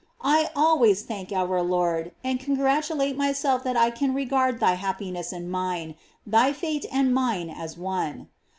I always thank our Lord, and congratu late myself that I can regard thy happiness and mine, thy fate and mine as one.